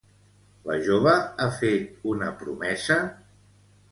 La jove ha fet una promesa?